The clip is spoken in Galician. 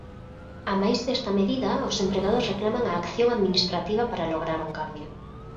Amais desta medida, os empregados reclaman a acción administrativa para lograr un cambio.